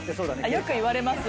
よく言われます。